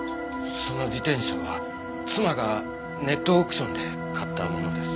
その自転車は妻がネットオークションで買ったものです。